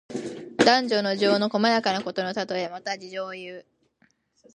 男女の情の細やかなことのたとえ。また、情事をいう。